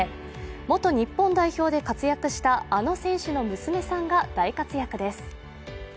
元日本代表で活躍したあの選手の娘さんが大活躍です。